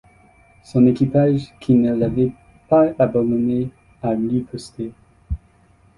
Son équipage qui ne l'avait pas abandonné a riposté.